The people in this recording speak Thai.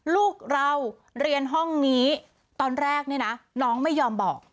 ลูกเราเรียนห้องนี้ตอนแรกเนี่ยนะน้องไม่ยอมบอก